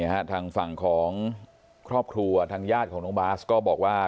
ทางฝั่งของครอบครัวทางญาติของน้องบาสก็บอกว่า